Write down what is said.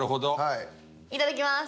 いただきます。